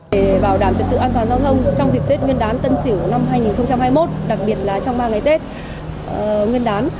để bảo đảm trật tự an toàn giao thông trong dịp tết nguyên đán tân sỉu năm hai nghìn hai mươi một đặc biệt là trong ba ngày tết nguyên đán